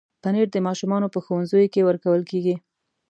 پنېر د ماشومانو په ښوونځیو کې ورکول کېږي.